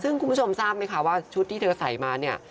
ซึ่งคุณผู้ชมทราบไหมคะว่าชุดที่เธอใส่มาเนี่ย